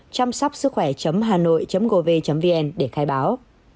chămsapsuochoe hanoi gov vn để khai báo